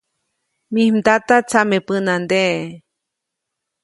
Mij mdata tsameʼpänandeʼe.